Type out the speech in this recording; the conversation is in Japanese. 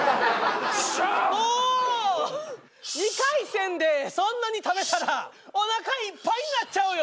もう２回戦でそんなに食べたらおなかいっぱいになっちゃうよ